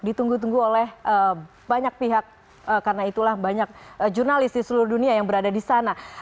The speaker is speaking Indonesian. ditunggu tunggu oleh banyak pihak karena itulah banyak jurnalis di seluruh dunia yang berada di sana